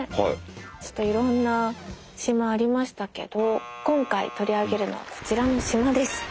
ちょっといろんな島ありましたけど今回取り上げるのはこちらの島です。